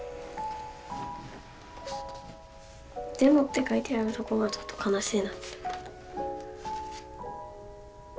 「でも」って書いてあるとこがちょっと悲しいなって。